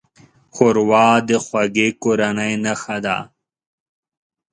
ښوروا د خوږې کورنۍ نښه ده.